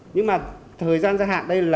nhưng mà thời gian gia hạn đây là